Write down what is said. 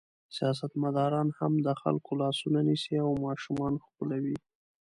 سیاستمداران هم د خلکو لاسونه نیسي او ماشومان ښکلوي.